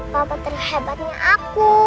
papa terhebatnya aku